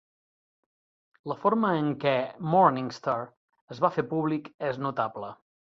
La forma en què Mornigstar es va fer públic és notable.